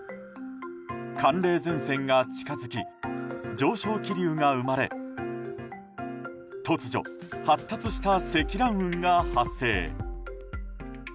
寒冷前線が近づき上昇気流が生まれ突如発達した積乱雲が発生。